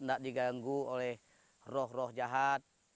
tidak diganggu oleh roh roh jahat